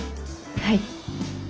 はい。